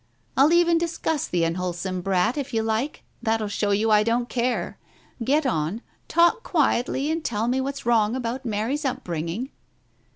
I'll even discuss the unwholesome brat, if you like, that'll show you I don't care. Get on. Talk quietly and tell me what's wrong about Mary's upbringing."